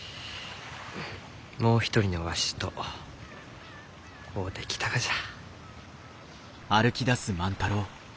もう一人のわしと会うてきたがじゃ。